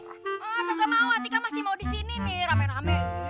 ah tau gak mau artika masih mau disini nih rame rame